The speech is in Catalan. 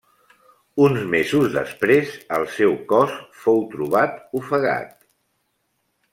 Uns mesos després el seu cos fou trobat ofegat.